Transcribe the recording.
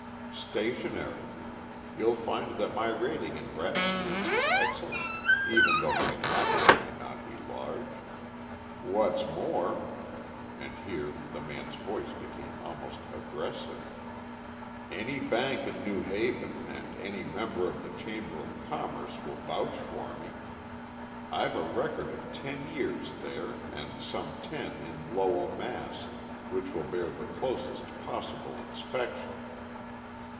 "Stationery. You'll find that my rating in Bradstreet's is excellent, even though my capital may not be large. What's more" and here the man's voice became almost aggressive "any bank in New Haven and any member of the Chamber of Commerce will vouch for me. I've a record of ten years there and some ten in Lowell, Mass., which will bear the closest possible inspection."